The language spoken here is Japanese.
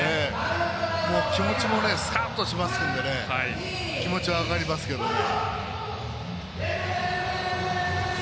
気持ちもスカッとしますので気持ちは分かりますけどね。